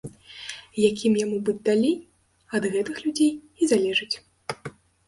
Якім яму быць далей, ад гэтых людзей і залежыць.